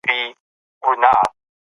د ماشومتوب خاطرې هیڅکله نه هېرېږي.